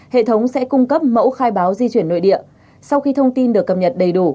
hệ thống sẽ cung cấp mẫu khai báo di chuyển nội địa sau khi thông tin được cập nhật đầy đủ